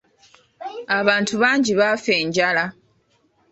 Abantu bangi baafa enjala.